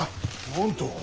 なんと。